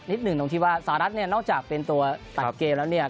หนึ่งตรงที่ว่าสหรัฐเนี่ยนอกจากเป็นตัวตัดเกมแล้วเนี่ย